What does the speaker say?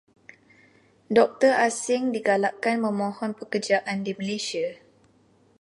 Doktor asing digalakkan memohon pekerjaan di Malaysia.